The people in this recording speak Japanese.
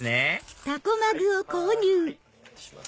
はいお願いします。